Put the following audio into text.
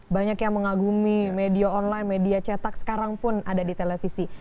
banyak yang mengagumi media online media cetak sekarang pun ada di televisi